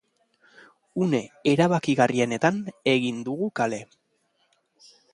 Une erabakigarrienetan egin dugu kale.